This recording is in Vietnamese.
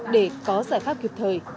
để có giải pháp kiệt thời